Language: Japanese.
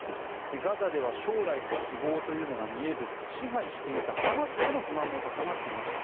ガザでは将来の希望というのが見えず支配していたハマスへの不満も高まっていました。